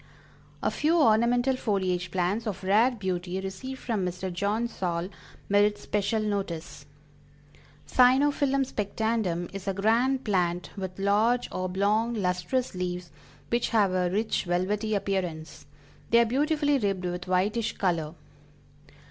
A few ornamental foliage plants of rare beauty received from Mr. John Saul merit special notice: Cyanaphyllum Spectandum is a grand plant with large, oblong, lustrous leaves which have a rich, velvety appearance; they are beautifully ribbed with whitish color.